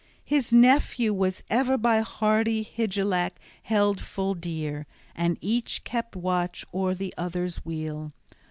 His nephew was ever by hardy Hygelac held full dear, and each kept watch o'er the other's weal.